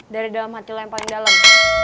dari dalam hati lo yang paling dalam